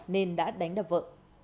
nên đã đánh đập vợ